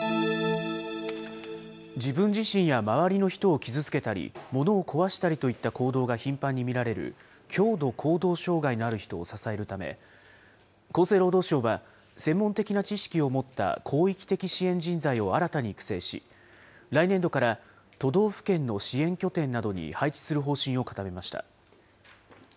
自分自身や周りの人を傷つけたり、物を壊したりといった行動が頻繁に見られる強度行動障害のある人を支えるため、厚生労働省は、専門的な知識を持った広域的支援人材を新たに育成し、来年度から都道府県の支援拠点などに配置する方針を固めました。